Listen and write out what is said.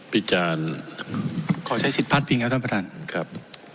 จานขอใช้สิทธิพลาดพิงครับท่านประธานครับ